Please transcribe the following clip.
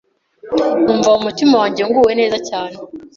numva mu mutima wanjye nguwe neza cyane,